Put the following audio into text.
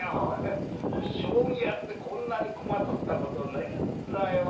俺将棋やってこんなに駒取ったことねえんだよ。